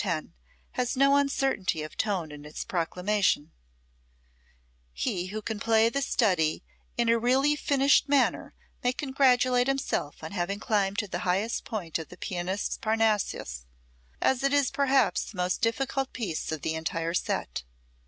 10, has no uncertainty of tone in its proclamation: He who can play this study in a really finished manner may congratulate himself on having climbed to the highest point of the pianist's Parnassus, as it is perhaps the most difficult piece of the entire set.